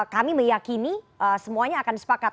kami meyakini semuanya akan sepakat